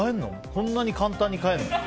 こんなに簡単に変えるの？